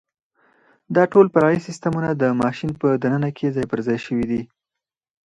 دا ټول فرعي سیسټمونه د ماشین په دننه کې ځای پرځای شوي دي.